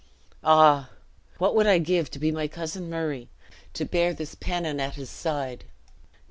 Ah! what would I give to be my cousin Murray, to bear this pennon at his side!